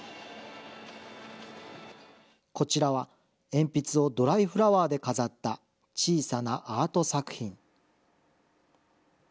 こちらは、鉛筆をドライフラワーで飾った小さなアート作品。